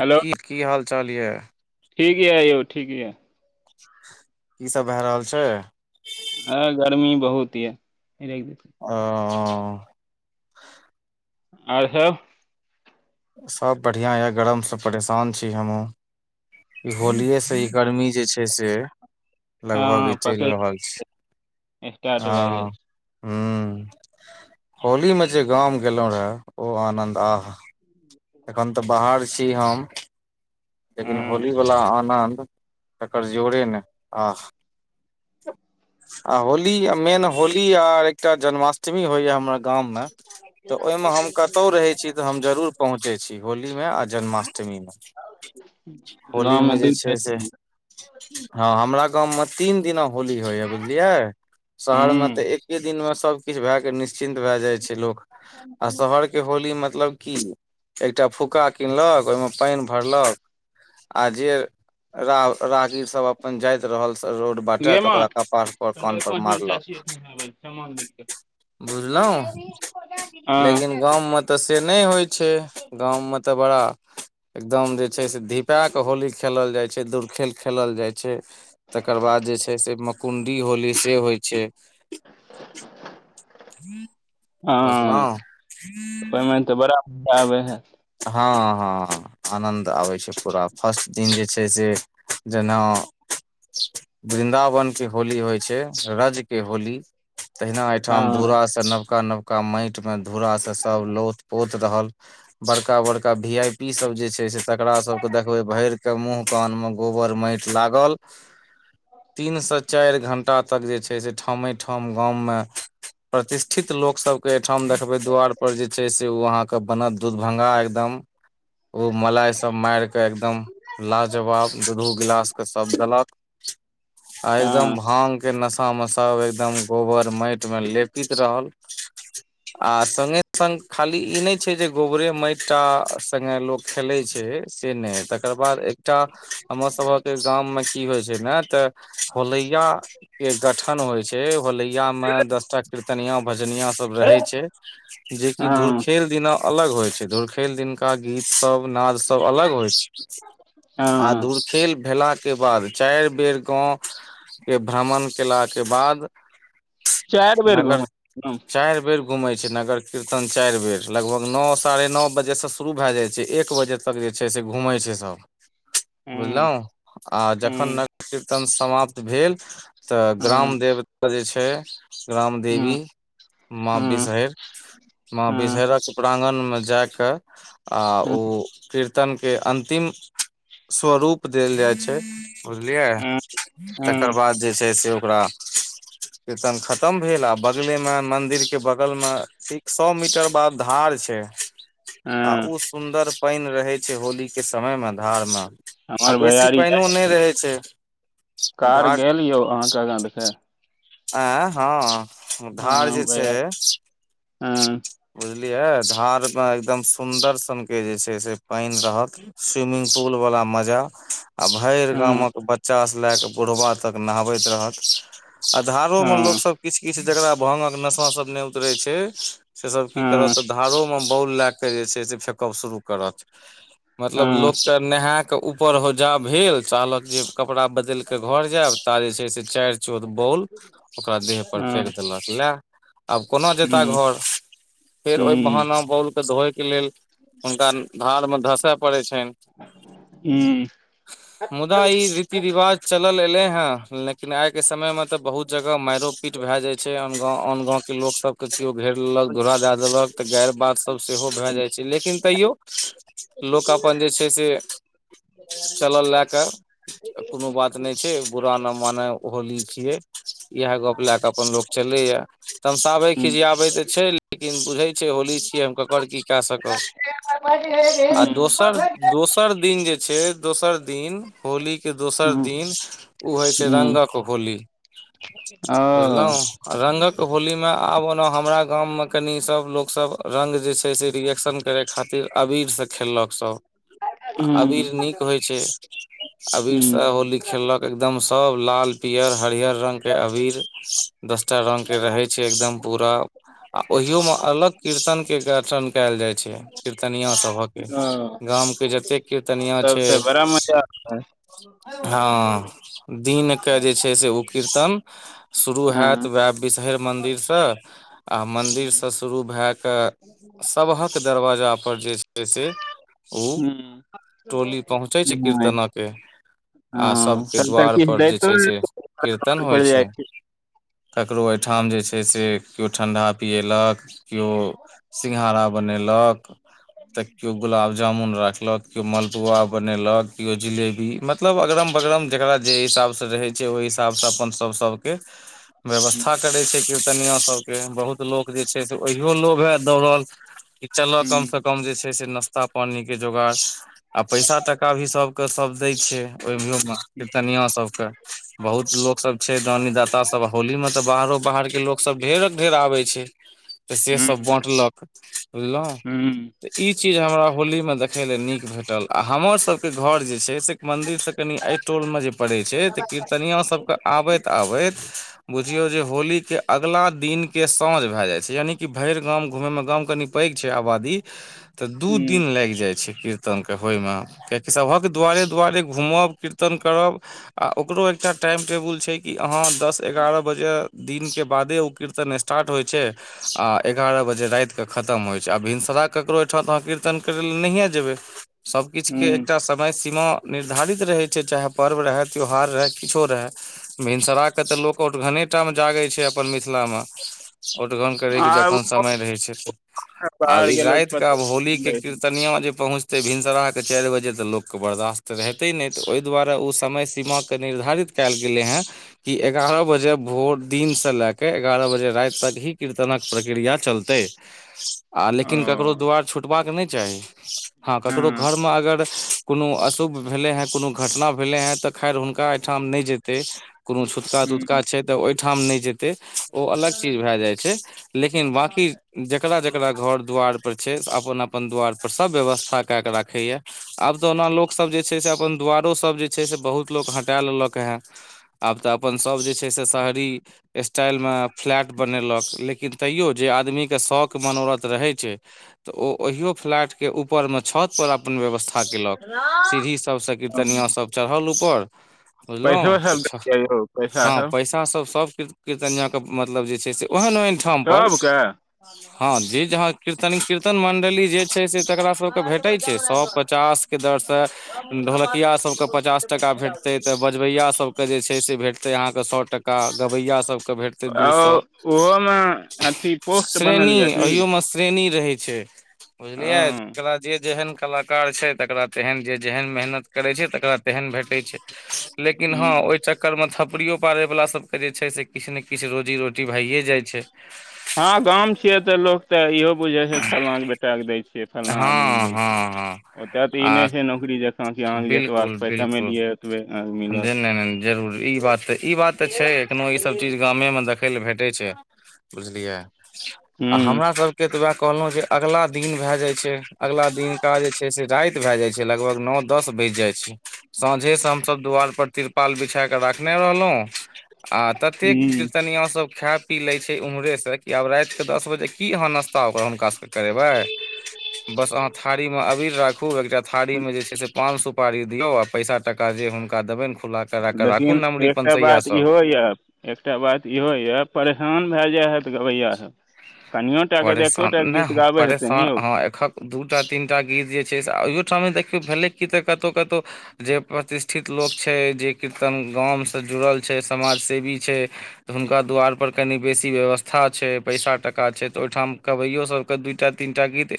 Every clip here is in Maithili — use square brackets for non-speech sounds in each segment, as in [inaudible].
हेलो की की हाल चाल यऽ ठीक यऽ अइयौ ठीक यऽ की सब भए रहल छै। अ गर्मी बहुत य। आ आर सब? सब बढ़िया य गरम से परेशान अछि। हमू इ होलिए से इ गर्मी जे छै छै, से लगभग ई हँ चलि पकड़ रहल छै, स्टार्ट आ भए जाइ छै ह्म्म होली मे जे गाम गेलहुं रहे ओ आनन्द आहा। एखन तऽ बाहर छी हम। लेकिन हँ होलीवला आनन्द तकर जोरे नहि आह। आ होली मेन होली आ एकटा जन्माष्टमी होइया हमरा गाममे तऽ ओहिमे हम कतहु रहै छी। तऽ हम जरूर पहुँचै जाये छी होलीमे आ जन्माष्टमीमे। होली मे गाँवमे जे दू टा छै, से हँ हमरा गाम में तीन दिना होली होय य बुझलिये। शहर में ते हूँ एके दिन मे सब किछ भय निश्चिन्त भए जाइ छै लोक, आ शहर के होली मतलब की एकटा फुका किनलक ओहिमे पानि भरलक आ जे र रागिर सब अपन जाइत रहल स रोड गे बाँटत [unintelligible] माँ ओकरा कपड़ पर कान कनिटा पर पाँच मिनट चाची मारलक एहिठाम आबै छै सामान लिख कऽ बुझलहुँ, हँ लेकिन गाममे तऽ से नहि होइ छै। गाम में तऽ बड़ा एकदम छै से धीपाएके होली खेलल जाइ छै, दूरखेल खेलल जाइ छै। तकर बाद जे छै से मकुण्डी होली से होइ छै। बुझलौ? हँ ओहिमे तऽ बड़ब मजा [unintelligible] आबै है हां-हां-हां आनन्द आबैत छै पूरा फर्स्ट दिन जे छै से जेना वृन्दावनके होली होइ छै रजके होली तहिना हँ एहिठाम धूुरासँ नवका नवका माइट मे धूुरासँ सभ लौथ पोत रहल। बड़का बड़का भी आई पी सब जे छै से तकरा सब के देखबे भरि के मुंह कान में गोबर माइट लागल तीन से चारि घंटा तक जे छै से ठामठ ठाम गाममे प्रतिष्ठित लोक सबके एहिठाम देखबे दु्वार पर जे छै से ओ अहाँके बनल दूदभंगा एकदम ओ मलाइ सब मारिक एकदम लाजवाब दू-दू गिलास के सब देलक आ एकदम हँ भाग के नशा में सब एकदम गोबर माइट में लेपित रहल। आ संगे संग खाली ई नहि छै जे गोबरे माइट टा सङ्गे लोक खेलै छै से नहि तकर बाद एकटा हमर सभके गाम मे की होइ छै ने तऽ होलैया के गठन होइ छै होलैया में दसटा कीर्तनिया भजनिया सब रहै छै जे कि हँ धुरखेल दिना अलग होय छै, धुरखेल दिनका गीत सब नाद सब अलग होइ छै आ हँ खेल भेला के बाद चारि बेर गाँव के भ्रमण केला के बाद चारि बेर घुम नगर हूँ चारि बेर घुमै छै नगर कीर्तन चारि बेर लगभग नओ साढ़े नओ बजे से शुरू भए जाइ छै, एक बजे तक जे छै से घुमै छै सब। हूँ बुझलहुँ आ जखन हूँ नगर कीर्तन समाप्त भेल, तऽ हूँ हूँ ग्राम देवता जे छै ग्राम हूँ देवी माँ हूँ विषहरि माँ बिषहरिक प्रांगण मे जा कऽ आ ओ कीर्तन के अन्तिम स्वरूप देल जाइत छै। बुझलियै हूँ हूँ तकर बाद जे छै से ओकरा कीर्तन खतम भेल आ बगले मे मंदिर के बगल में एक सए मीटर बाद धार छै आ हूँ ओ सुन्दर पानि रहै छै होली के समय मे धारमे, हमर भैयारी जा, कार घाट गेल यौ अहाँ के आगां देखा आंइ हँ धार जे हँ छै भैया हँ बुझलियै धारमे एकदम सुन्दर सनके जे छै से पानि रहत स्विमिंग पूल वाला मजा आ भरि हँ गामक बच्चा सँ लए कऽ बुढ़बा तक नहबैत रहत। आ धारो मे लोक हँ सभ किछ किछ जकरा भाँगक नशा सभ नहि उतरै छै से सभ की हँ करत तऽ धारो मे बाॅल लए कऽ जे छै से फेकब शुरू करत। मतलब हँ लोकके नहेए कऽ ऊपर जा भेल, चाहलक जे कपड़ा बद बदैल के घर जायब ता जे छै से चारि चौद बाउल ओकरा देह पर फेेक हँ हूँ देलक लए। आब कोना जेताह घर हूँ फेर ओहि हूँ बहाना, बाउल के धोयके लेल हुनका धार मे धसय पड़ै छनि। हूं मुदा ई रीति रिवाज चलल एलै हेँ, लेकिन आइके समय मे त तऽ बहुत जगह माइरो पीट भए जाय छै आन गांव आन गांव के लोक सब किछुवो घेर लेलक धूरा दए देलक। तऽ गारि बात सभ सेहो भए जाइ छै लेकिन तैयो लोक अपन जे छै से चलल लए के कोनो बात नहि छै बुरा ना माने होली छियै, इएह गप लए कऽ अपन लोक चलै ये। तमसाबै हूँ खिझियाबै तऽ छै लेकिन बुझै छै होली छियै हम ककर की कए सकब। आ दोसर दोसर दिन जे छै दोसर दिन होली के दोसर दिन ओ होइ छै हूँ रङ्गक होली। ओ बुझलहुँ रंगक होली मे आब हमरा गाम मे कनि सब लोक सब रङ्ग जे छै से रिएक्शन करै खातिर अबीर सँ खेललक सभ। हूँ अबीर नीक होइ छै, अबीर सँ हूँ होली खेललक। एकदम सब लाल पीयर हरीयर रंग के अबीर दसटा रंग के रहै छै एकदम पूरा आ ओहियो में अलग कीर्तन के गठन कयल जाय छै, कीर्तनिया सब। ओ गाम के जतेक कीर्तनिया तब छै तऽ बड़ा मजा आबै हँ दिन के जे छै ओ कीर्तन शुरू हेत हँ वैह बिषहरि मन्दिर सँ। आ हूँ मन्दिरसँ शुरू भए कऽ सभक दरवाजा पर जे छै से। उ हूँ। टोली पहुँचै छै कीर्तनक के आ हँ सभके तब तऽ किछु द्वारपर जे दैतो छै से। कीर्तन होइ पड़ि जाइ छैय। छै ककरो एहिठाम जे छै से केओ ठण्ढा पिएलक किओ। सिंघाड़ा बनेलक तऽ किओ गुलाब जामुन राखलक। केओ मालपुआ बनेलक किओ जिलेबी मतलब अगरम बगरम जकरा। जे हिसाब स रहै छै ओहि हिसाब स अपन सब सबके। हूँ व्यवस्था त रहय छै किर्तनिया सब के बहुत लोग जे छै से ओहियो लोभे दौड़ल। कि चलह कम हूँ स कम जे छै से नश्ता पानीके जोगाड़। आ पैसा टाका भी सभके सभ दै छै ओहिओ मे किर्तनियो सभके। बहुत लोक सब छै दानी दाता सब होली में तऽ बाहरो बाहर के लोक सब ढेरक ढेर आबे छैय। तऽ से हूँ सब बाँटलक बुझलहु हूँ त ई चीज हमरा होली मे देख। देखै लेल नीक भेटल आ हमरसभके घर जे छै से मन्दिरसँ कनी अय टोल मे जे पड़ै छै त किर। सबके आबैत आबैत बुझियौ जे होली के अगला दिन के साँझ। भए जाइ छै यानि की भरि गाँम घुमैय मे गाम कनि पैघ छै आबादी। तऽ दू हूँ दिन लाइग जाय छय कीर्तन के होय में कियकि सबहक दुआारे दुआरे घूमब। कीर्तन करब आ‌ ओकरो एकटा टाइम टेबुल छै कि अहाँ दस एगारह बजे। दिन के बादे ओ कीर्तन स्। स्टार्ट होइ छै आ एगारह बजे राइत क खतम होइ छै आ भिनसर क। ककरो ओहिठा त अहाँ कीर्तन करत लऽ त नहिए देबय सब किछ के हूँ एकटा स। समय सीमा निर्धारित रहय छै चाहे पर्व रहै त्यौहार रहै। किछो रहए भिनसरााके तऽ लोक आओर घने टाम जागय छय अप्पन मिथिलामे। ओठगन करय के आ उ जखन समय रहै छै त। आब बाहर ई गेलौ राइत तऽ क पतो आब होली के कीर्तनिया जे पहुँच। भिनसरा के चारि बजे तऽ लोक क बर्दाश्त रहेते नहि तऽ ओहि दुआरे ओ समय सीमा के। निर्धारित कएल गेलै हेँ। कि एगारह बजे भोर दिनसँ लए कऽ एगारह बजे राति तक ही कीर्तनक प्रक्रिया चलतय। आ लेकिन ककरो ओ दुआर छुटबाक नहि चाही हँ ककरो घर म अगर। कुनो अशुभ भेलै हेँ कूनो घटना भेलै हेँ तऽ खैर हुनका एहिठाम नहि जेतय। कोनो छूतका तुतका हूँ छय त ओहिठाम नय जेतय ओ अलग चीज भए जाइ छय। लेकिन बाँकी जेकरा जकरा घर दुआार। पर छै से अप्पन अप्पन द्वार पर सब व्यवस्था कए के राखय या आब तऽ ओना लोक सब जे। छय अपन दरो सब जे छय से बहुत लोक ह छै। टा लेलक हे आब तऽ अपन सभ जे छय से शहरी। स्टाइल मे फ्लैट बनेलक लेकिन। तैयो जे आदमीके शौक मनोरथ रहै छय त ओ ओहिओ फ्लैट। के ऊपरमे छत पर अपन व्यवस्था केलक सीढ़ी सबसँ हँ कीर्तनिया सब चढ़ल ऊपर। पैसो बुझलहुँ तऽ सब छ दैये यौ पैसा हँ सब पैसा सब सबकेछु। कीर्तनियाके मतलब जे छै से ओहेन-ओहेन ठामपर। सबके हँ जे जहाँ कीर्तन कीर्तन मंडली जे छय से। एककरा सबके भेटैत छै सौ पचास के दर से ढोलकिया सबके पचास टाका भेट। हेतै तऽ बजबैयासभकेँ जे छै से भेटतै अहाँकेँ सौ टाका गबैयासभकेँ भेटतै दू सौ। ओहो मे अथी पोस्ट बनल श्रेणी ये की। ओहियो मे श्रेणी रहै छै बुझलियै हँ जेकरा जे जेहेन कलाकार छैय तकरा तेहेन जे जेहेन मेहनत करय छैय तकरा तेहेन भेटय छैय। लेकिन हँ हूँ ओहि चक कैल्ह में थपड़िओ पाड़यवला सभके जे छैय से किछु ने किछु रोजी रोटी भइए जाइ छैय। हँ गाम छियै तऽ लोक तऽ इहो बुझै छै फल्लाँके बेटाके दै छियै। फल्लाँ हँ आदमी के दै हँ छैय। हँ ओतऽ तऽ आ ई नहि छैय नौकरी जकाँ कि अहाँ जतबा बिल्कुल पाइ बिल्कुल कमेेलियै ओतबे अहाँके जे मिलत। नहि नहि जरूर ई बात तऽ ई बात तऽ छैय एखनो ई सब चीज गामे में देख तैइ लऽ भेटैय छैय बुझलिये आ हूँ हमरा सब के तऽ वएह कहलहुँ जे अगिला दिन भए जाइ छैय अगला दिनका जे छैय से राति भए जाय छैय लगभग नौ दस बजि जाइ छैय। साँझे से हमसभ दुआर पर तिरपाल बिछा कऽ राखने रहलहुँ आ- ततेक हूँ कीर्तनियों सभ खाएत पी लैय छैय उम्हरे से की आब राइत के दस बजे की अहाँ नाश्ता ओकरा हुनका सभ कें करेबै। बस अहाँ थारी मे अबीर राखु एकटा थारी में जे छैय से पान सु पारी दिओ आ पैसा टाका जे हुनका देबनि खुल्ला लेकिन एकटा बात ईहो यऽ एकटा बात इहो यऽ परेशान भए जाइ हएत गबैया सब। कनिओ टा के तऽ परेशान एकोटा गीत गाबई हेतई ने यौ। दू टा तीन टा गीत जे छैय से अइयो ठाम देखियौ भेलै कि तऽ कतौउ कतौउ जे प्रतिष्ठित लोक छैय जे कीर्तन गामसँ जुड़ल छैय समाजसेवी छैय तऽ हुनका द्वारपर कनि बेसी व्यवस्था छैय पैसा टाका छैय तऽ ओहिठाम कबैयो सभके दूटा तीन टा गीत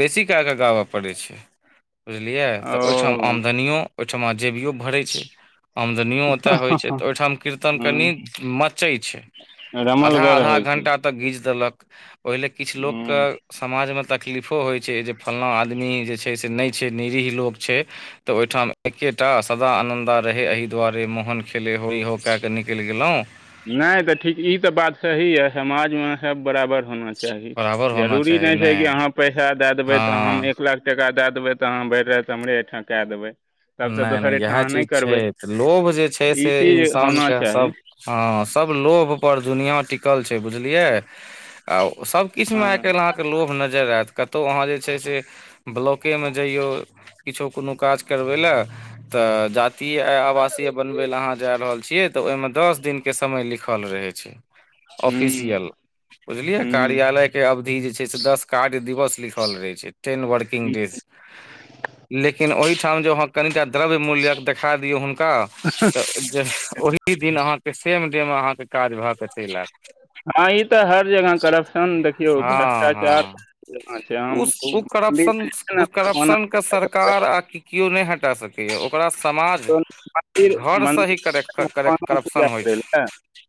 बेसी कए कऽ गाबऽ पड़ै छैय। बुझलियै तऽ ओहिठाम ओ आमदनिओ ओहिठमा जेबिओ भरैय छैय। आमदनियों ओतय होइ छैय तऽ ओहिठाम कीर्तन कनि हूँ मचैय छैय। आधा रमलगर आधा होइ छै घंटा तक घीज देलक ओहिले किछु लोक हूँ कें समाज में तकलीफो होइ छैय जे फल्लाँ आदमी जे छैय से नहि छैय निरीह लोक छैय तऽ ओहिठाम एक्के टा सदा आनन्दा रहय, एही दुआरे मोहन खेले होरी हो कए कऽ निकलि गेलहुँ। नई तऽ ठीक ई तऽ बात सही यऽ समाज में सब बराबर होना चाही बराबर होना जरूरी चाही नहि ने छैय कि अहाँ पैसा दए देबै तऽ हँ हम एक लाख टाका दए देबै तऽ अहाँ भरि राति हमरे एहिठाम कए देबै। तबसँ नै न दोसर इएह एहिठाम अहाँ नहि चीज करबै छैय तऽ लोभ जे छैय तऽ ई से चीज इंसान होना कें सभ चाही हँ सभ लोभपर दुनिआँ टिकल छैय बुझलियै। आ ओ सभ किछ में हँ आइ काल अहाँ कइर लोभ नजैर एत कत्तौ अहाँ जे छैय से ब्लॉके में जइयौ किछु कोनो काज करबै लऽ तऽ जातीय आवासीय बनबै लऽ अहाँ जा रहल छियै तऽ ओहिमे दस दिनके समय लिखल रहै छैय हूँ ऑफिसियल। बुझलिए हूँ कार्यालय के अवधि जे छैय से दस कार्य दिवस लिखल रहय छैय। टेन वर्किंग डेज लेकिन ओहिठाम जहँ कनिटा द्रव्य मूल्यक देखा दियौ हुनका तऽ जे ओहि दिन अहाँके सेम डे में अहाँके काज भऽ के चैल ऐब। हाँ ई तऽ हर जगह करप्शन देखियौ हँ भ्रष्टाचार। हँ जेना छैय आम उस खूब [unintelligible] केओ सरकार करय आ की किओ नहि हटा सकैए ओ पूरा समाज मन्दिर घर सही मन्दिर करय कऽ करय भगवानक पूजा करप्शन होइ करय लए छैय।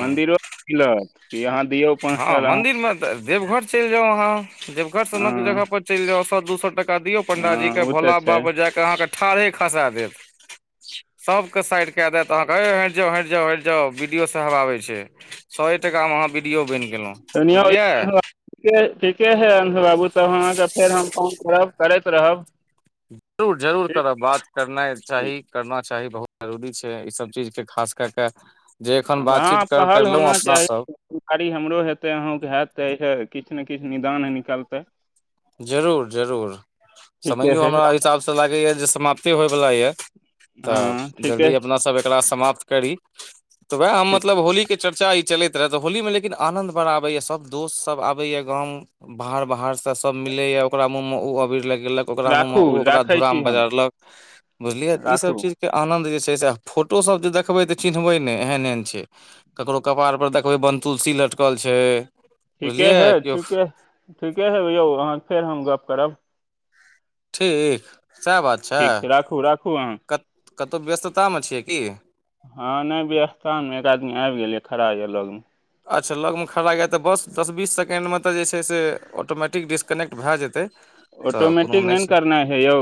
मन्दिरो मिलत कि अहाँ दियौ पाँच हँ साल अहाँ। मन्दिरमे देवघर चलि जाउ अहाँ देवघर सन जगह हँ पर चलि जाउ सौ दू सौ टका टका दियौ पण्डाजीके हँ ओ तऽ भोला बाबा छै पर जाकऽ अहाँके ठाढ़े खसा देत। सब के साइड कय देत अहाँके यौ हटि जाउ हटि जाउ हटि जाउ बी डी ओ साहेब आबै छै। सौ ए टका मे अहाँ बी डी ओ बनि गेलहुँ। कनिये बुझलियै ओहिठाम। ठीक ठीके है अंश बाबू तब अहाँके फेर हम फोन करब करैत रहब। जरूर जरूर ठीक करब बात करनाइ ठीक चाही करना चाही बहुत जरूरी छै, ईसब चीज के खास क केऽ जे एखन बातचीत कर करलहुँ अपना सब खाली हमरो हेतै अहूँके हेत त किछु ने किछु निदान निकलतै। जरूर जरूर, ठीके समैयो हइ हमरा हिसाब से लगैए जे समाप्ते होइवला ये। हँ तऽ ठीके जल्दी अपना सब एकरा समाप्त करी। तऽ वैह हम ठीक मतलब होली के चर्चा ई चलैत रहै तऽ होली मे लेकिन आनंद बड़ आबैए सब दोस्त सब आबैये गांव, बाहर बाहर से सब मिलैये ओकरा मुंह में ओ अबीर लगेलक। ओकरा मुँह राखू मे, ओ ओकरा राखै धूरा छी मे हम बजारलक, बुझलियै, तऽ इ सब राखू चीज। के आनन्द जे छैय से फोटोसब जे देखबै तऽ चिन्हबै ने एहन एहन छैय। ककरो कपार पर देखबै बनतुलसी लटकल छैय। ठीके हेइ ठीके ठीके हेइ यौ अहाँ फेर हम गप करब। ठीक सएह बात छैय ठीक छै राखू राखू अहाँ कत कतहु व्यस्ततामे छियै की। हाँ नै व्यस्ता मे एक आदमी आबि गेल खड़ा यऽ लग। अच्छा लगमे खड़ा यय तऽ बस दस बीस सेकेण्डमे तऽ जे छैय से ऑटोमेटिक डिस्कने्ट भए जेतै। तऽ कोनो ऑटोमैटिक नहि ना छै करना है यौ।